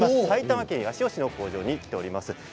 埼玉県八潮市の工場に来ております。